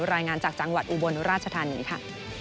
รายงานจากจังหวัดอุบลราชธานีค่ะ